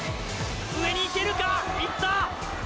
上に行けるか、行った！